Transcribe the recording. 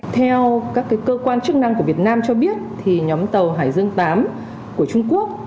theo các cơ quan chức năng của việt nam cho biết nhóm tàu hải dương viii của trung quốc